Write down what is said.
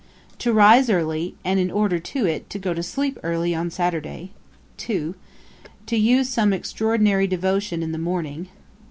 To rise early, and in order to it, to go to sleep early on Saturday. '2. To use some extraordinary devotion in the morning.